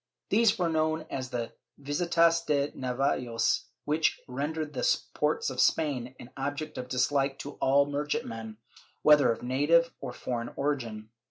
These were known as the Visitas de Navios, which rendered the ports of Spain an object of dislike to all merchant men, whether of native or foreign origin.